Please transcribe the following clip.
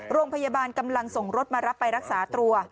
โรงพยาบาลกำลังส่งรถมารับไปรักษาตัว